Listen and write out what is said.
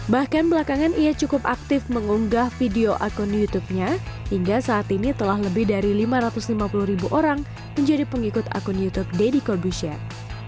bahkan belakangan ia cukup aktif mengunggah video akun youtubenya hingga saat ini telah lebih dari lima ratus lima puluh ribu orang menjadi pengikut akun youtube deddy cordusyat